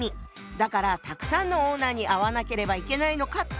だからたくさんのオーナーに会わなければいけないのかって